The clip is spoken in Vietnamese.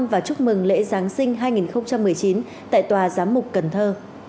về giáng sinh hai nghìn một mươi chín tại tòa giám mục cần thơ